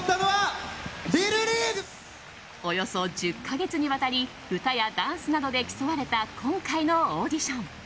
およそ１０か月にわたり歌やダンスなどで競われた今回のオーディション。